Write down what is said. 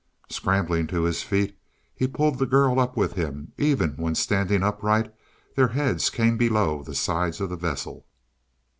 Scrambling to his feet he pulled the girl up with him; even when standing upright their heads came below the sides of the vessel.